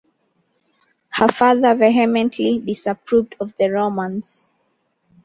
Her father vehemently disapproved of the romance.